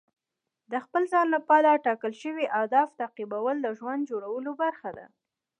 د خپل ځان لپاره ټاکل شوي اهداف تعقیبول د ژوند جوړولو برخه ده.